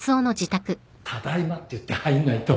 「ただいま」って言って入んないと。